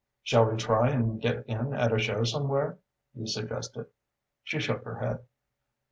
"Shall we try and get in at a show somewhere?" he suggested. She shook her head.